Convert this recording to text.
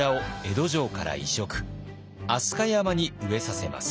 飛鳥山に植えさせます。